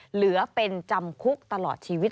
เหลือเป็นจำคุกตลอดชีวิต